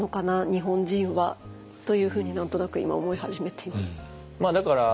日本人はというふうに何となく今思い始めています。